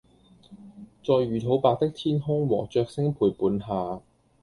在魚肚白的天空和雀聲陪伴下